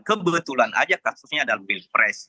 kebetulan saja kasusnya ada di pilpres